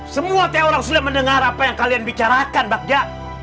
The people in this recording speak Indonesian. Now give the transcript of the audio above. semua orang sudah mendengar apa yang kalian bicarakan bagja